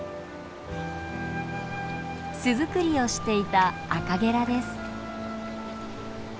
巣づくりをしていたアカゲラです。